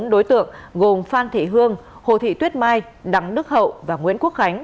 đối tượng gồm phan thị hương hồ thị tuyết mai đắng đức hậu và nguyễn quốc khánh